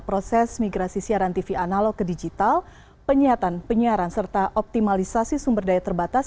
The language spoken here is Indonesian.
proses migrasi siaran tv analog ke digital penyiaran penyiaran serta optimalisasi sumber daya terbatas